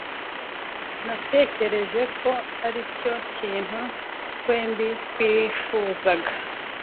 Natekereje ko aricyo kintu twembi twifuzaga.